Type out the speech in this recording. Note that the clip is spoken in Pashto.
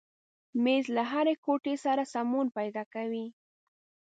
مېز له هرې کوټې سره سمون پیدا کوي.